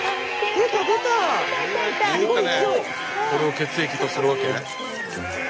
これを血液とするわけ？